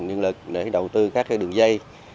nhân lực để đầu tư các đường dây